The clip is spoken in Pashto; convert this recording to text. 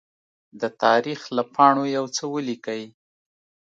د تاریخ له پاڼو يوڅه ولیکئ!